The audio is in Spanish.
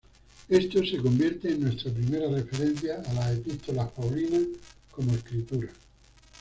Esto se convierte en nuestra primera referencia a las epístolas paulinas como Escritura.